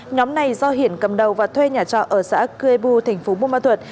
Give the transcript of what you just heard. nhóm này do hiển cầm đầu và thuê nhà trọ ở xã cuebu thành phố bùa ma thuật